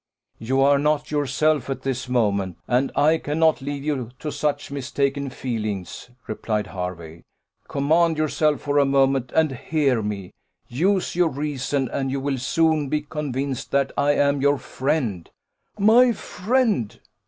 "You are not yourself at this moment, and I cannot leave you to such mistaken feelings," replied Hervey: "command yourself for a moment, and hear me; use your reason, and you will soon be convinced that I am your friend." "My friend!"